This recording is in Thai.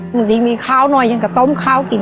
บางทีมีข้าวหน่อยยังก็ต้มข้าวกิน